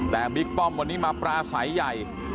แต่บิ๊กป้อมวันนี้มาปราศัยใหญ่